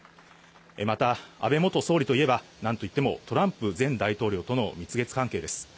また安倍元総理といえば、なんといってもトランプ前大統領との蜜月関係です。